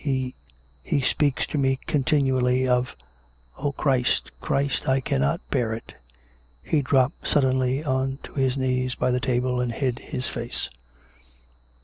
... He ... he speaks to me continually of O Christ ! Christ ! I cannot bear it !" He dropped suddenly on to his knees by the table and hid his face.